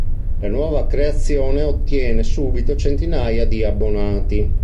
La nuova creazione ottiene subito centinaia di abbonati.